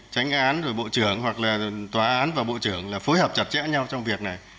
tránh án rồi bộ trưởng hoặc là tòa án và bộ trưởng là phối hợp chặt chẽ nhau trong việc này